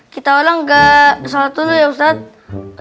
kita ulang gak sholat tidur ya ustadz